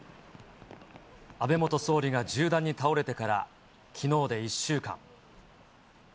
安倍元総理が銃弾に倒れてからきのうで１週間。